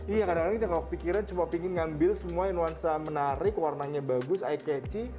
iya kadang kadang kita kalau pikiran cuma ingin ngambil semua yang nuansa menarik warnanya bagus eye catchy